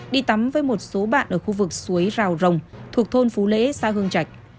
đi tắm với một số bạn ở khu vực suối rào rồng thuộc thôn phú lễ xã hương trạch